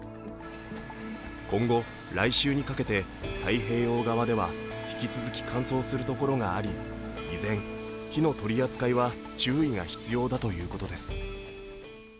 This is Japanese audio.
今後、来週にかけて太平洋側では引き続き乾燥する所があり依然、火の取り扱いは注意が必要だということです。